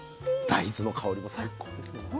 大豆の香りも最高ですよね。